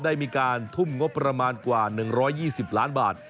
ได้มีการทุ่มงบประมาณกว่า๑๒๐ล้านบาท